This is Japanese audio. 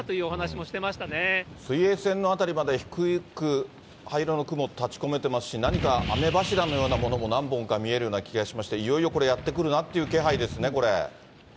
もし水平線の辺りまで低く灰色の雲、垂れこめてますし、何か雨柱のようなものも何本か見えるような気がしまして、いよいよこれ、やってくるなという気配ですね、これ。